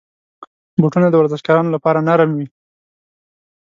بوټونه د ورزشکارانو لپاره نرم وي.